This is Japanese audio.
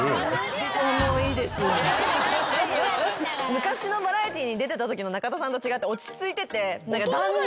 昔のバラエティーに出てたときの中田さんと違って落ち着いてて旦那！